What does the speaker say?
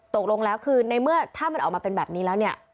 ตกลงแล้วคือในเมื่อถ้ามันออกมาเป็นแบบนี้แล้วเนี่ย